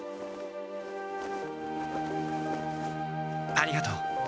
ありがとう。